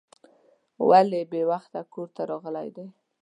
ولې بې وخته کور ته راغلی دی.